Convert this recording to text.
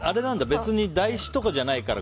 別に台紙とかじゃないから。